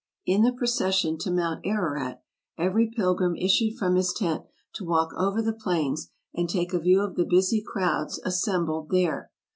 In the procession to Mount Ararat every pilgrim issued from his tent to walk over the plains and take a view of the busy crowds assembled there.